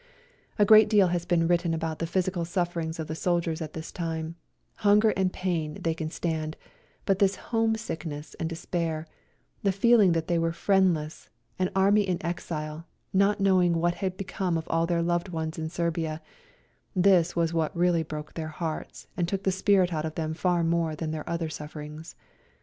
A great deal has been written about the physical sufferings of the soldiers at this time ; hunger and pain they can stand, but this home sickness and despair, the feeling that they were friendless, an Army in exile, not knowing what had become of all their loved ones in Serbia, this was what really broke their hearts and took the spirit out of them far more than their other sufferings.